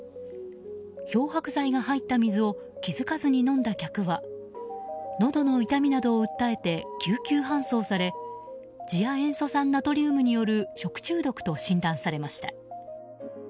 漂白剤が入った水を気付かずに飲んだ客はのどの痛みなどを訴えて救急搬送され次亜塩素酸ナトリウムによる食中毒と診断されました。